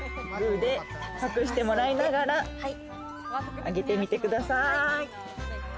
隠してもらいながら、あげてみてください。